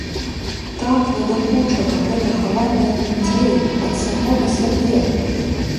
Так надакучыла гэта хаванне ад людзей, ад самога сябе!